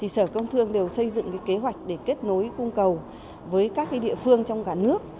sở công thương đều xây dựng kế hoạch để kết nối cung cầu với các địa phương trong cả nước